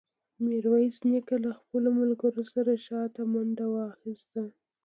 ميرويس نيکه له خپلو ملګرو سره شاته منډه واخيسته.